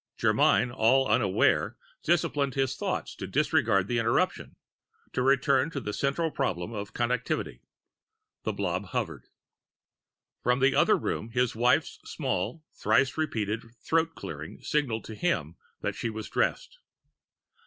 Germyn, all unaware, disciplined his thoughts to disregard the interruption, to return to the central problem of Connectivity. The blob hovered.... From the other room, his wife's small, thrice repeated throat clearing signaled to him that she was dressed.